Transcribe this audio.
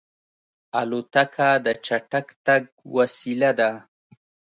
الوتکه د چټک تګ وسیله ده.